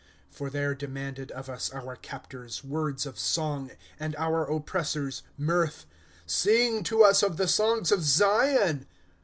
For there demanded of us Our captors, words of song, And our oppressors, mirth : Sing to us of the songs of Zion.